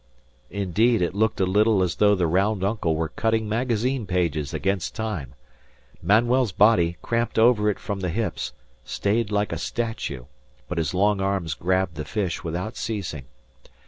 Indeed, it looked a little as though the round uncle were cutting magazine pages against time. Manuel's body, cramped over from the hips, stayed like a statue; but his long arms grabbed the fish without ceasing.